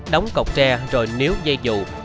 đóng cọc tre rồi níu dây dụ